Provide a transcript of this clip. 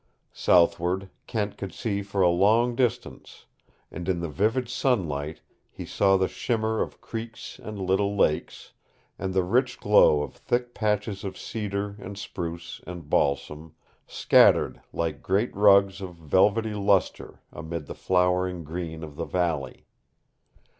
Southward Kent could see for a long distance, and in the vivid sunlight he saw the shimmer of creeks and little lakes, and the rich glow of thick patches of cedar and spruce and balsam, scattered like great rugs of velvety luster amid the flowering green of the valley.